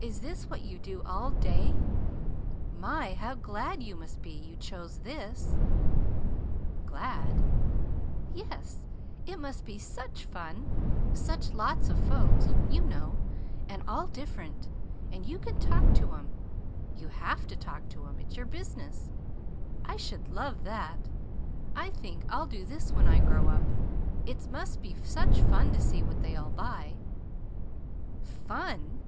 "Is this what you do all day? My, how glad you must be you chose this!" "GLAD!" "Yes. It must be such fun such lots of folks, you know, and all different! And you can talk to 'em. You HAVE to talk to 'em it's your business. I should love that. I think I'll do this when I grow up. It must be such fun to see what they all buy!" "Fun!